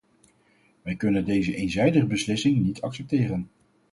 Wij kunnen deze eenzijdige beslissing niet accepteren.